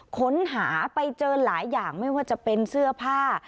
ค้นหาไปเจอหลายอย่างไม่ว่าจะเป็นเสื้อผ้า